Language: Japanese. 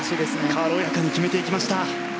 軽やかに決めていきました。